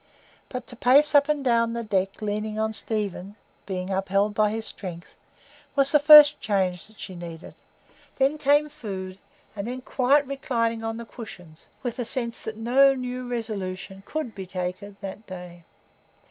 But to pace up and down the deck leaning on Stephen—being upheld by his strength—was the first change that she needed; then came food, and then quiet reclining on the cushions, with the sense that no new resolution could be taken that day.